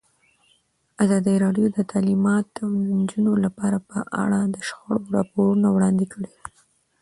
ازادي راډیو د تعلیمات د نجونو لپاره په اړه د شخړو راپورونه وړاندې کړي.